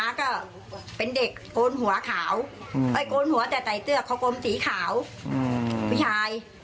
นั่นไงมาก็เป็นเด็กโกนหัวแต่ใส่เตือกเค้าโกมสีขาวผู้ชาย